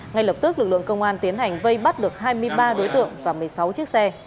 ngay lập tức lực lượng công an tiến hành vây bắt được hai mươi ba đối tượng và một mươi sáu chiếc xe